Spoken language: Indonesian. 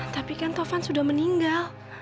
tapi kan tovan sudah meninggal